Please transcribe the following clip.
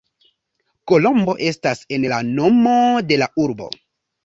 Kolombo estas en la nomo de la urbo.